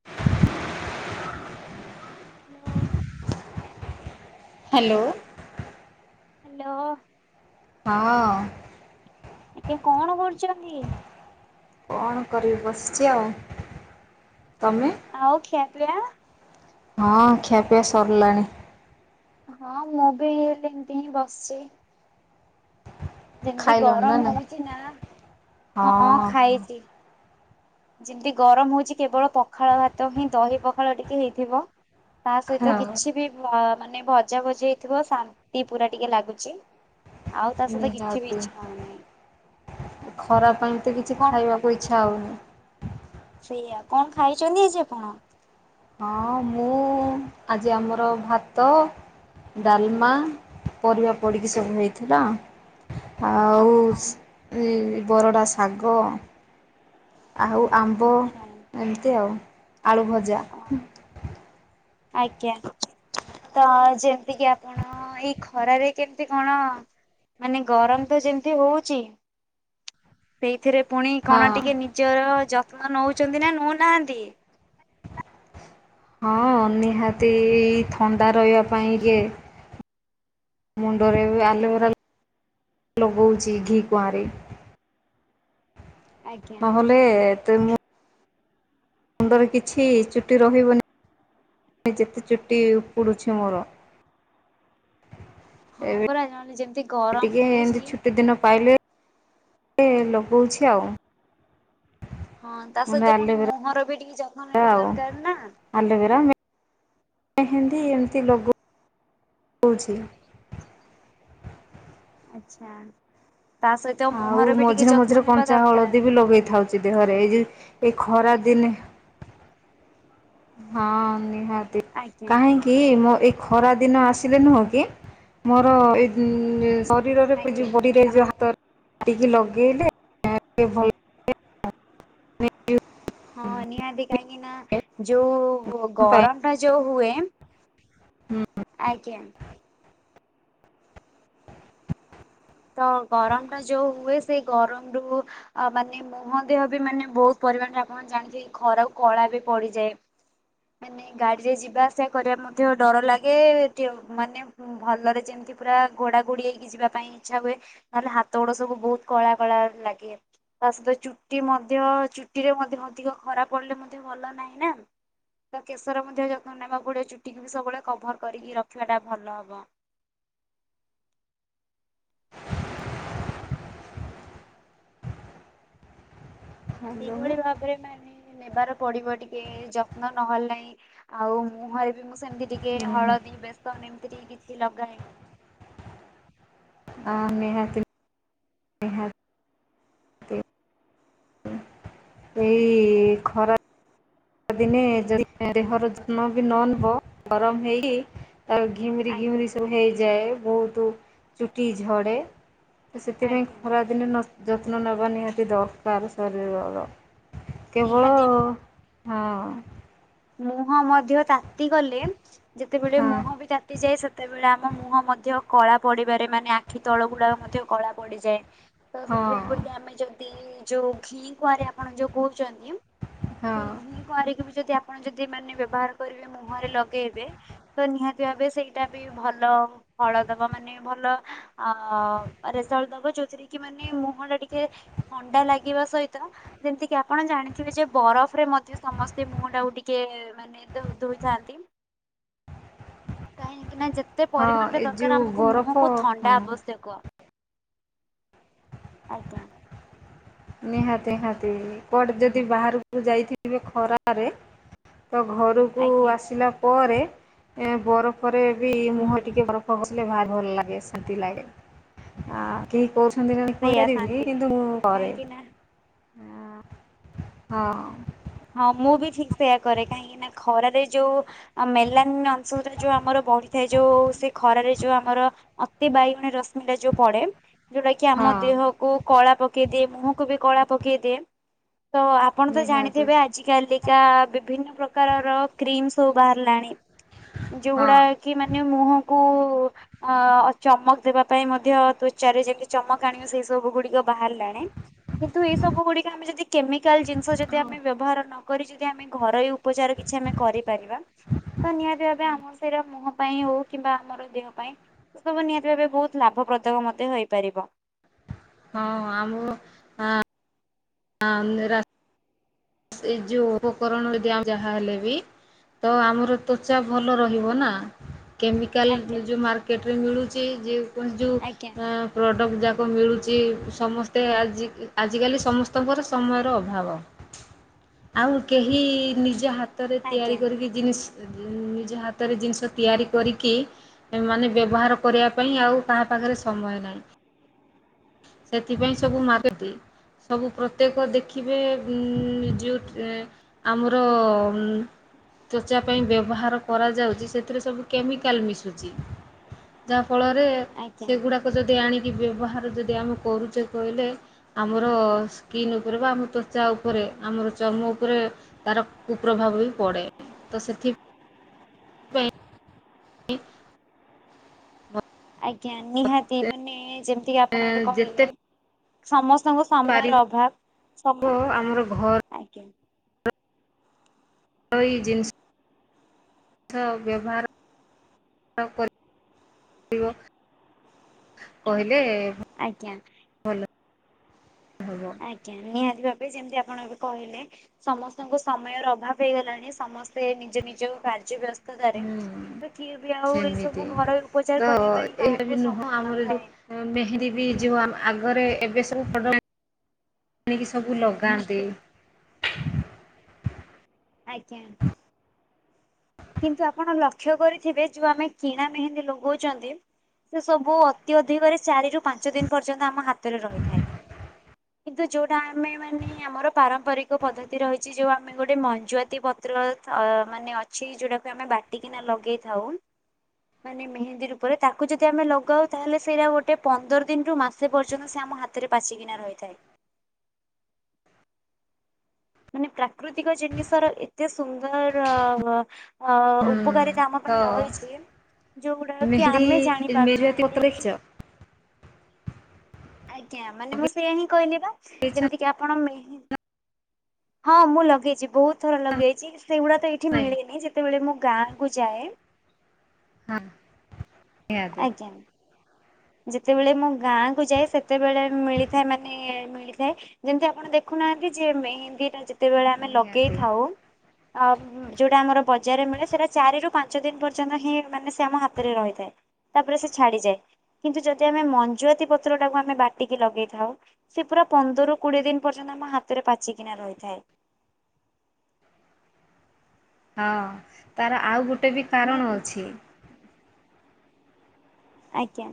[inaudible] ଢ଼। Hello. Hello. ହଁ। ଇଏ କଣ କରୁଛନ୍ତି? କଣ କରିବି ବସିଛି ଆଉ ତମେ? ଆଉ ଖିଆ ପିଆ ହଁ ଖିଆ ପିଆ ସରିଲାଣି। ହଁ ମୁଁ ବି ଏମତି ହିଁ ବସିଛି। ଯେମିତି ଖାଇଲଣି ନା ଗରମ ନାଇଁ? ହଉଛି ନା ହଁ ଖାଇଛି। ଯେମିତି ଗରମ ହଉଛି କେବଳ ପଖାଳ ଭାତ ହିଁ ଦହି ପଖାଳ ଟିକେ ହେଇଥିବ ତା ସହିତ ହଁ କିଛି ବି ମାନେ ଭଜା ଭଜି ହେଇଥିବ ଶାନ୍ତି ପୁରା ଟିକେ ଲାଗୁଛି। ଆଉ ତା ସହିତ କିଛି ବି ନିହାତି ଇଚ୍ଛା ହଉନି। ଖରା ପାଇଁ ତ କିଛି କଣ ଖାଇବାକୁ ଇଛା ହଉନି। ସେଇଆ କଣ ଖାଇଛନ୍ତି ଆଜି ଆପଣ? ହଁ ମୁଁ ଆଜି ଆମର ଭାତ ଡାଲମା ପରିବା ପଡିକି ସବୁ ହେଇଥିଲା। ଆଉ ଓହୋ ବରଡ଼ା ଶାଗ ଆଉ ଆମ୍ବ ଆଚ୍ଛା। ଏମିତି ଆଉ ଆଳୁ ଭଜା। ଆଜ୍ଞା। ତ ଯେମିତି କିି ଆପଣ ଏଇ ଖରାରେ କେତେ କଣ ମାନେ ଗରମ ତ ଯେମିତି ହଉଚି ସେଇଥିରେ ପୁଣି କଣ ହଁ ଟିକେ ନିଜର ଯତ୍ନ ନଉଛନ୍ତି ନା ନଉନାହାନ୍ତି? ହଁ ନିହାତି ଥଣ୍ଡା ରହିବା ପାଇଁ କି ମୁଣ୍ଡରେ ଆଲୋବେରା ଲଗଉଛି ଘି କୁଆଁରି ଆଜ୍ଞା। ନହେଲେ ଏତେ ମୁଁ ମୁଣ୍ଡରେ କିଛି ଚୁଟି ରହିବନି ଯେତେ ଚୁଟି ଉପୁଡ଼ୁଛି ମୋର। ହଁ ପରା ନହେଲେ ଯେମିତି ଏବେ ଗରମ ଟିକେ ଏମତି ହଉଛି ଛୁଟି ଦିନ ପାଇଲେ ଏ ଲଗଉଛି ଆଉ। ହଁ ତା ମାନେ ସହିତ ପୁଣି ଆଲୋଭେରା ମୁହଁର ବି ଟିକେ ଯତ୍ନ ନେବା ଦରକାର ନା ଆଲୋବେରା ମେହେନ୍ଦି ଏମିତି ଲଗୋଉଛି। ଆଚ୍ଛା। ତା ସହିତ ଆଉ ମୁହଁର ବି ଟିକେ ମଝିରେ ଯତ୍ନ ମଝିରେ ନେବା କଞ୍ଚା ଦରକାର ହଳଦୀ ବି ଲଗେଇ ଥାଉଛି ଦେହରେ ଏଇ ଯଉ ଏଇ ଖରା ଦିନେ ହଁ ନିହାତି ଆଜ୍ଞା। କାହିଁକି? କି ମୋ ଏ ଖରା ଦିନ ଆସିଲେ ନୁହଁ କି ମୋର ଏ ଶରୀରରେ ଆଜ୍ଞା [unintelligible] ବଡିରେ ବି ହାତ କାଟିକି ଲଗେଇଲେ [unintelligible] ଟ ଭଲ। ହଁ ନିହାତି କାହିଁକି ନା ଯୋଉ ଗରମ ଟା ଯୋଉ ହୁଏ ହୁଁ। ଆଜ୍ଞା। ତ ଗରମ ଟା ଯୋଉ ହୁଏ ସେଇ ଗରମ ରୁ ଅ ମାନେ ମୁହଁ ଦେହ ବି ମାନେ ବହୁତ ପରିମାଣରେ ଆପଣ ଜାଣିିଥିବେ ଖରା କୁ କଳା ବି ପଡିଯାଏ। ମାନେ ଗାଡିରେ ଯିବା ଆସିବା କରିବା ମଧ୍ୟ ଡର ଲାଗେ [unintelligible] ମାନେ ଭଲରେ ଯେମିତି ପୁରା ଘୋଡ଼ା ଘୋଡ଼ି ହେଇକି ଯିବା ପାଇଁ ଇଛା ହୁଏ ତାହେଲେ ହାତ ଗୋଡ ସବୁ ବହୁତ କଳା କଳା ଲାଗେ। ତା ସହିତ ଚୁଟି ମଧ୍ୟ ଚୁଟିରେ ମଧ୍ୟ ଅଧିକ ଖରାପ ପଡିଲେ ମଧ୍ୟ ଭଲ ନାହିଁ ନା ତ କେଶର ମଧ୍ୟ ଯତ୍ନ ନେବାକୁ ପଡିବ ଚୁଟିକୁ ବି ସବୁବେଳେ କଭର କରିକି ରଖିବା ଟା ଭଲ ହବ। ଏଇଭଳି ଭାବ ରେ ମାନେ ନେବାର ପଡିବନି ଟିକେ ଯତ୍ନ ନହଲେ ନାଇଁ ଆଉ ମୁଁହଁରେ ବି ସେମିତି ଟିକେ ହଳଦୀ ବେସନ ଏମିତି ଟେ କିଛି ଲଗାଏ। ଅଁ ନିହାତି ନିହାତି ଏଇ ଖରା ଦିନେ ଯଦି ଦେହର ଯତ୍ନ ବି ନ ନବ ଗରମ ହେଇକି ତା ଘିମିରି ଆଜ୍ଞା ଘିମିରି ସବୁ ହେଇଯାଏ ବହୁତ ଚୁଟି ଝଡ଼େ। ତ ସେଥିପାଇଁ ଆଜ୍ଞା ଖରାଦିନେ ଯତ୍ନ ନେବା ନିହାତି ଦରକାର ଶରୀରର। କେବଳ ନିହାତି ହଁ। ମୁହଁ ମଧ୍ୟ ତାତି ଗଲେ ଯେତେବେଳେ ହଁ ମୁହଁ ବି ତାତି ତାତିଯାଏ ସେତେବେଳେ ଆମ ମୁହଁ ମଧ୍ୟ କଳା ପଡିପାରେ ମାନେ ଆଖି ତଳ ଗୁଡାକ ମଧ୍ୟ କଳା ପଡିଯାଏ। ତ ସେଥିପାଇଁ ହଁ ବୋଲି ଆମେ ଯଦି ଯୋଉ ଘି କୁଆଁରେ ଆପଣ ଯୋଉ କହୁଚନ୍ତି ସେଇ ହଁ ଘି କଆଁରୀକୁ ବି ଯଦି ଆପଣ ଯଦି ମାନେ ବ୍ୟବହାର କରିବେ ମୁହଁରେ ଲଗେଇବେ ତ ନିହାତି ଭାବେ ସେଇଟା ବି ଭଲ ଫଳ ଦବ। ମାନେ ଭଲ ଅ ରେଜଲଟ ଦବ ଯୋଉଥିରେ କି ମାନେ ମୁହଁ ଟା ଟିକେ ଥଣ୍ଡା ଲାଗିବା ସହିତ ଯେମିତିକ ଆପଣ ଜାଣିଥିବେ ଯେ ବରଫରେ ମଧ୍ୟ ସମସ୍ତେ ମୁହଁ ଟାକୁ ଟିକେ ଟିକେ ମାନେ ଦ ଧୋଇଥାନ୍ତି। କାହିଁକିକି ନା ଯେ କେତେ ହଁ ପରିମାଣରେ ଏ ଦରକାର ଯୋଉ ଆମକୁ ବରଫ ମୁହଁକୁ ହଁ ଥଣ୍ଡା ଆବଶ୍ୟକ। ଆଜ୍ଞା। ନିହାତି ନିହାତି। କଆଡେ ଯଦି ବାହାରକୁ ଯାଇଥିବେ ଖରାରେ ତ ଘରକୁ ଆଜ୍ଞା ଆସିଲା ପରେ ଏ ବରଫରେ ବି ମୁହଁ ହୁଁ ଟିକେ ବରଫ ଘସିଲେ ଭାରି ଭଲ ଲାଗେ ଶାନ୍ତି ଲାଗେ। ଆ କେହି କହୁଛନ୍ତି ନାଁ ସେଇଆ କହିପାରିବିନି ଶାନ୍ତି କିନ୍ତୁ ମୁଁ କରେ। କାହିଁକି ନା ହଁ ହଁ। ହଁ ମୁଁ ବି ଠିକ୍ ସେୟଆ କରେ। କାହିଁକି ନା ଖରାରେ ଯୋଉ ମେଲାନ ଅଂଶରେ ଯୋଉ ଆମର ବଢିଥାଏ ଯୋଉ ସେ ଖରାରେ ଯୋଉ ଆମର ଅତି ବାଇଗଣୀ ରଶ୍ମି ଯୋଉ ପଡେ ଯୋଉଟା କି ହଁ ଆମ ଦେହ କୁ କଳା ପକେଇ ଦିଏ ମୁହଁକୁୁ ବି କଳା ପକେଇ ଦିଏ। ତ ଆପଣ ତ ଜାଣି ନିହାତି ଆଜ କାଲିକା ବିଭିନ୍ନ ପ୍ରକାରର କ୍ରିମ ସବୁ ବାହାରିଲାଣି। ହଁ ଯୋଉଗୁଡା କି ମାନେ ମୁହଁକୁ ଅ ଚମକ ଦେବା ପାଇଁ ମଧ୍ୟ ତ୍ୱଚାରେ ଯେମିତି ଚମକ ଆଣିବ ସେଇ ସବୁ ଗୁଡିକ ବାହାରିଲାଣି କିନ୍ତୁ ଏଇ ସବୁ ଗୁଡିକ ଆମେ ଯଦି କେମିକାଲ ଜିନିଷ ଯଦି ହଁ ଆମେ ବ୍ୟବହାର ନ କରି ଯଦି ଆମେ ଘରୋଇ ଉପଚାର କିଛି ଆମେ କରିପାରିବା ତ ନିହାତି ଭାବେ ଆମ ସେଇା ମୁହଁ ପାଇଁ ହଉ କିମ୍ବା ଆମର ଦେହ ପାଇଁ ଏ ସବୁ ନିହାତି ଏବେ ବହୁତ ଲାଭପ୍ରଦକ ମଧ୍ୟ ହେଇପାରିବ। ହଁ ଆମ [unintelligible] ସେଇ ଯୋଉ ଉପକରଣ ଯାହା ହେଲେ ବି ତ ଆମର ତ୍ୱଚା ଭଲ ରହିବ ନା। ଆଜ୍ଞା କେମିକାଲ ଯେଉମାର୍କେଟରେ ମିଳୁଛି ଯେକୌଣସି ଯେଉଁ ଆଜ୍ଞା ଆଁ ପ୍ରଡ଼କ୍ଟ ଯାକ ମିଳୁଚି ସମସ୍ତେ ଆଜି- ଆଜିକାଲି ସମସ୍ତଙ୍କର ସମୟର ଅଭାବ। ଆଉ କେହି ନିଜ ହାତରେ ଆଜ୍ଞା। ତିଆରି କରିକି ଜିନିସ୍ ନିଜ ହାତରେ ଜିନିଷ ତିଆରି କରିକି ମାନେ ବ୍ୟବହାର କରିବା ପାଇଁ ଆଉ କାହା ପାଖରେ ସମୟ ନାହିଁ। ସେଥିପାଇଁ ସବୁ ମାାଗଟି ସବୁ ପ୍ରତ୍ୟେକ ଦେଖିବେ ଉଁ ଯେଉ ଆମର ଉଁ ତ୍ଵଚା ପାଇଁ ବ୍ୟବହାର କରାଯାଉଚି ସେଥିରେ ସବୁ କେମିକାଲ୍ ମିଶୁଚି। ଯାହାଫଳରେ ଆଜ୍ଞା ସେଗୁଡ଼ାକ ଯଦି ଆଣିକି ବ୍ୟବହାର ଯଦି ଆମେ କରୁଚେ କହିଲେ ଆମର ସ୍କିନ୍ ଉପରେ ବା ଆମ ତ୍ୱଚା ଉପରେ ଆମର ଚର୍ମ ଉପରେ ତାର କୁପ୍ରଭାବ ବି ପଡେ ତ ସେଥି ଇ ଆଜ୍ଞା ନିହାତି ମୋତେ ମାନେ ଯେମିତି କି ଆପଣ ଏବେ ଯେତେ କହିଲେ ସମସ୍ତଙ୍କ ପାରିବ ସମୟର ଅଭାବ ସମ ଆମର ଘରୋଇ ଆଜ୍ଞା। ହଇ ଜିନିଷ ଥ ବ୍ୟବହାର କରିବ- ପିବ କହିଲେ ଆଜ୍ଞା। ଭଲ ହବ ଆଜ୍ଞା ନିହାତି ଭାବେ ଯେମିତି ଆପଣ ଏବେ କହିଲେ ସମସ୍ତଙ୍କୁ ସମୟର ଅଭାବ ହେଇଗଲାଣି ସମସ୍ତେ ନିଜ ନିଜ କାର୍ଯ୍ୟ ବ୍ୟସ୍ତ ରେ ହୁଁ ତ କିଏ ବି ଆଉ ଏଇ ସେମିତି ସବୁ ଘରୋଇ ଉପଚାର ତ କରିବା ପାଇଁ କାହାକୁ ସମୟ ନଥାଏ। ମେହେନ୍ଦି ବି ଯିବ ଆମ ଆଗରେ ଏବେ ସବୁ ପ୍ରଡକ୍ଟ ଆଣିକି ସବୁ ଲଗାନ୍ତି। ଆଜ୍ଞା। କିନ୍ତୁ ଆପଣ ଲକ୍ଷ୍ୟ କରିଥିବେ ଯୋଉ ଆମେ କିଣା ମେହେନ୍ଦୀ ଲଗଉଚନ୍ତି ସେ ସବୁ ଅତି ଅଧିକରେ ଚାରିରୁ ପାଞ୍ଚ ଦିନ ପର୍ଯ୍ୟନ୍ତ ଆମ ହାତରେ ରହିଥାଏ କିନ୍ତୁ ଯୋଉଟା ଆମେ ମାନେ ଆମର ପାରମ୍ପରିକ ପଦ୍ଧତି ରହିଚି ଯୋଉ ଆମେ ଗୋଟେ ମଞ୍ଜୁଆତି ପତ୍ ପତ୍ର ଥ-ମାନେ ଅଛି ଯୋଉଟାକୁ ଆମେ ବାଟିକିନା ଲଗେଇଥାଉ। ମାନେ ମେହେନ୍ଦୀ ରୂପରେ ତାକୁ ଯଦି ଆମେ ଲଗାଉ ତାହେଲେ ସେଇଟା ଗୋଟେ ପନ୍ଦର ଦିନରୁୁ ମାସ ସେ ପର୍ଯ୍ୟନ୍ତ ସେ ଆମ ହାତରେ ପାଚିକିନା ରହିଥାଏ। ମାନେ ପ୍ରାକୃତିକ ଜିନିଷର ଏତେ ସୁନ୍ଦର୍ ଅଁ ଅଁ ଅ ହୁଁ ଉପକାରିତା ଆମ ତ ପାଇଁ ରହିଚି ଯୋଉଗୁଡା କି ଆମେ ଜାଣି ମେହେନ୍ଦୀ ମେରୁଆତି ପାରୁନାହାନ୍ତି ପତ୍ର ଦେଖିଛ ଆଜ୍ଞା ମାନେ ମୁଁ ସେଇଆ ହିଁ କହିଲି ବା ଲଗେଇଛ ଯେମିତି କି ଆପଣ ମେହେ-ହଁ ମୁଁ ଲଗେଇଛି ବହୁତ୍ ଥର ଲଗେଇଚି ସେଇଗୁଡା ତ ଏଇଠି ନାଇଁ ମିଳେନି ଯେତେବେଳେ ମୁଁ ଗାଁକୁୁ ଯାଏ ହଁ ଦିଆଦି ଆଜ୍ଞା ଯେତେବେଳେ ମୁଁ ଗାଁ କୁ ଯାଏ ସେତେବେଳେ ମିଳିଥାଏ ମାନେ ମିଳିଥାଏ ଯେମିତି ଆପଣ ଦେଖୁନାହାନ୍ତି ଯେ ମେହେନ୍ଦୀ ଟା ଯେତେବେଳେ ଆମେ ନିହାତି ଲଗେଇଥାଉ ଆ ଯୋଉଟା ଆମର ବଜାରରେ ମିଳେ ସେଇଟା ଚାରିରୁ ପାଞ୍ଚ ଦିନ ପର୍ଯ୍ୟନ୍ତ ହିଁ ମାନେ ସେ ଆମ ହାତରେ ରହିଥାଏ। ତାପରେ ସେ ଛାଡିଯାଏ କିନ୍ତୁ ଯଦି ଆମେ ମଞ୍ଜୁଆତି ପତ୍ରଟାକୁ ଆମେ ବାଟିକି ଲଗେଇଥାଉ। ସେ ପୁରା ପନ୍ଦରରୁ କୋଡ଼ିଏ ଦିନ ପର୍ଯ୍ୟନ୍ତ ଆମ ହାତରେ ପାଚିକିନା ରହିଥାଏ। ହଁ ତାର ଆଉ ଗୋଟେବି କାରଣ ନିହାତି ଅଛି। ଆଜ୍ଞା